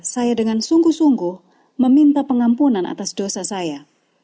saya dengan sungguh sungguh meminta pengampunan atas dosa saya